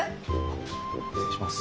失礼します。